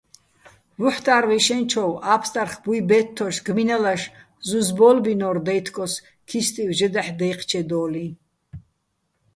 ვუჰ̦ტა́რ ვიშენჩოვ, ა́ფსტარხ ბუჲ ბე́თთოშ, გმინალაშ ზუზ ბო́ლბინო́რ დაჲთკოს ქისტივ ჟე დაჰ̦ დაჲჴჩედო́ლიჼ.